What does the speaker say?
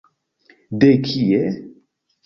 De kie?